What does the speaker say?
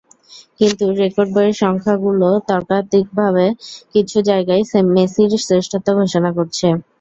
কিন্তু রেকর্ড বইয়ের সংখ্যাগুলো তর্কাতীতভাবে কিছু জায়গায় মেসির শ্রেষ্ঠত্ব ঘোষণা করছে।